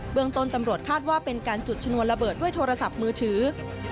เมืองต้นตำรวจคาดว่าเป็นการจุดชนวนระเบิดด้วยโทรศัพท์มือถือ